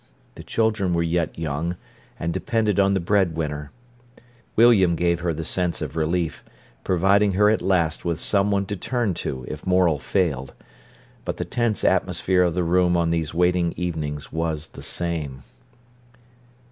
The children were yet young, and depended on the breadwinner. William gave her the sense of relief, providing her at last with someone to turn to if Morel failed. But the tense atmosphere of the room on these waiting evenings was the same.